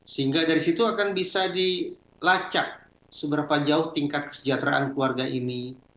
sehingga dari situ akan bisa dilacak seberapa jauh tingkat kesejahteraan keluarga ini